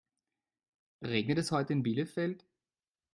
Regnet es heute in Bielefeld?